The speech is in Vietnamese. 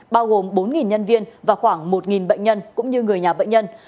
bao gồm bốn nhân viên và khoảng một bệnh nhân cũng như người nhà bệnh nhân